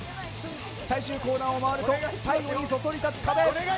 最終コーナーを回ると最後にそそり立つ壁。